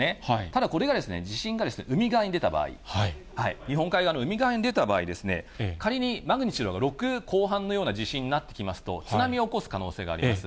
ただこれが地震が海側に出た場合、日本海側の海側に出た場合ですね、仮にマグニチュードが６後半のような地震になってきますと、津波を起こす可能性があります。